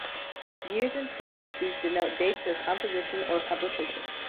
Years in parentheses denote dates of composition or publication.